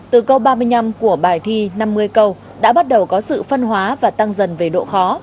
từ câu ba mươi năm của bài thi năm mươi câu đã bắt đầu có sự phân hóa và tăng dần về độ khó